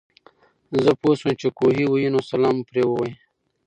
زۀ پوهه شوم چې کوهے وهي نو سلام مو پرې ووې